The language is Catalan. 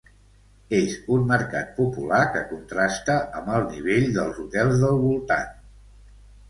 És un mercat popular que contrasta amb el nivell dels hotels del voltant.